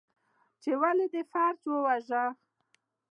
، چې ولې دې فرج وواژه؟